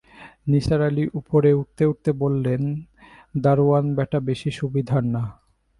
নিসার আলি উপরে উঠতে উঠতে বললেন, দারোয়ান ব্যাটা বেশি সুবিধার না।